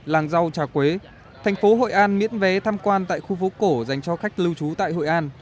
làng rau trà quế thành phố hội an miễn vé tham quan tại khu phố cổ dành cho khách lưu trú tại hội an